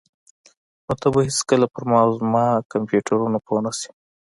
نو ته به هیڅکله په ما او زما کمپیوټرونو پوه نشې